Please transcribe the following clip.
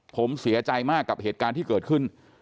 ผมเสียใจมากกับเหตุการณ์ที่เกิดขึ้น